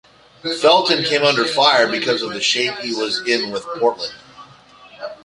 Felton came under fire because of the shape he was in with Portland.